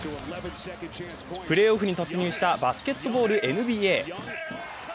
プレーオフに突入したバスケットボールＮＢＡ。